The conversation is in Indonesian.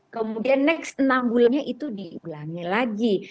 kemudian next enam bulannya itu diulangi lagi